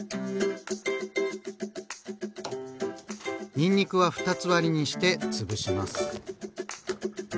にんにくは二つ割りにして潰します。